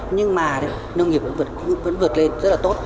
nhưng mà nông nghiệp vẫn vượt lên rất là tốt